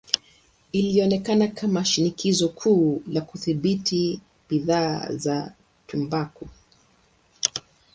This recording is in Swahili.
Ilionekana kama shinikizo kuu la kudhibiti bidhaa za tumbaku.